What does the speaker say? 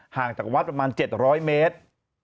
ห่างจากวัดประมาณ๗๐๐เมตร